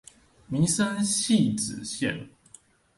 民生汐止線